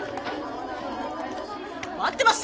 待ってました！